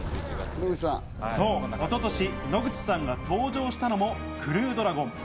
そう一昨年、野口さんが搭乗したのもクルードラゴン。